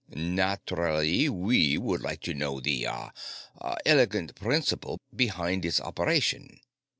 "Naturally, we would like to know the ... ah ... 'elegant' principle behind its operation.